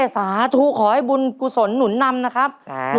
สาธุขอให้บุญกุศลหนุนนำนะครับ